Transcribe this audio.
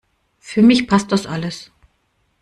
Für mich passt das alles.